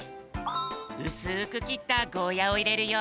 うすくきったゴーヤをいれるよ。